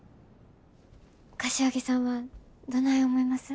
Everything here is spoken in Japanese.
柏木さんはどない思います？